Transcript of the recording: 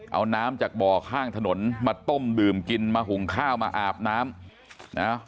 เอาน้ำจากบ่อข้างถนนมาต้มดื่มกินมาหุงข้าวมาอาบน้ำนะ